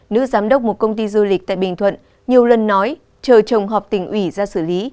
nữ giám đốc một công ty du lịch tại bình thuận nhiều lần nói chờ chồng họp tỉnh ủy ra xử lý